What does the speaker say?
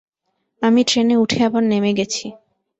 আমি ট্রেনে উঠে আবার নেমে গেছি।